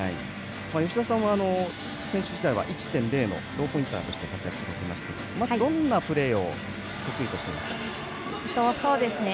吉田さんは選手時代は１．０のローポインターとして活躍されていましたがどんなプレーを得意としていましたか。